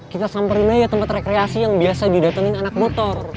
kita samperin aja tempat rekreasi yang biasa didatengin anak motor